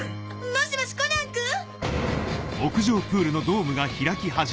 もしもしコナンくん